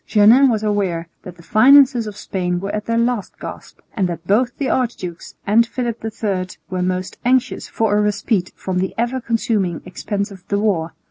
Jeannin was aware that the finances of Spain were at their last gasp, and that both the archdukes and Philip III were most anxious for a respite from the ever consuming expense of the war.